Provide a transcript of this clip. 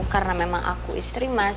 karena memang aku istri mas